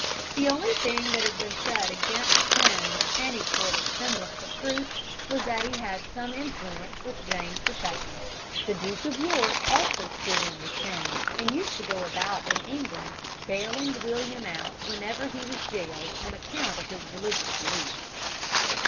The only thing that has been said against Penn with any sort of semblance of truth was that he had some influence with James II. The Duke of York also stood in with Penn, and used to go about in England bailing William out whenever he was jailed on account of his religious belief.